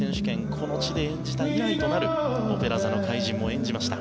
この地で演じて以来となる「オペラ座の怪人」も演じました。